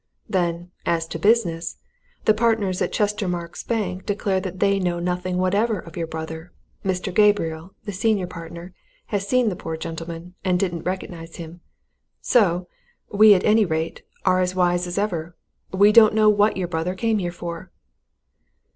Then, as to business the partners at Chestermarke's Bank declare that they know nothing whatever of your brother Mr. Gabriel, the senior partner, has seen the poor gentleman, and didn't recognize him. So we at any rate, are as wise as ever. We don't know what your brother came here for!"